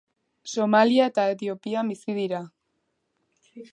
Somalia eta Etiopian bizi dira.